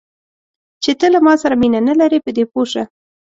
چې ته له ما سره مینه نه لرې، په دې پوه شه.